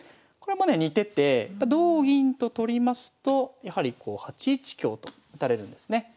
これもね似てて同銀と取りますとやはりこう８一香と打たれるんですね。